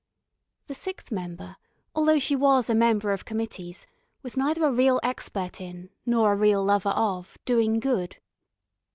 The sixth member, although she was a member of committees, was neither a real expert in, nor a real lover of, Doing Good.